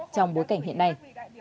trong bối cảnh hiện nay